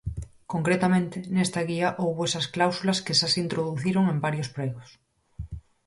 Concretamente, nesta guía houbo esas cláusulas que xa se introduciron en varios pregos.